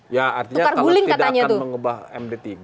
ya artinya kalau tidak akan mengubah md tiga